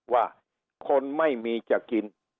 ว่าคนไม่มีจะกิน